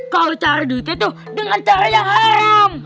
kalau cara duitnya tuh dengan cara yang haram